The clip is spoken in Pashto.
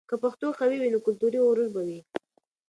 که پښتو قوي وي، نو کلتوري غرور به وي.